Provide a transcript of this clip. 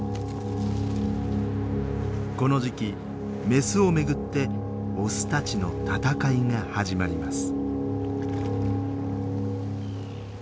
この時期メスを巡ってオスたちの闘いが始まります。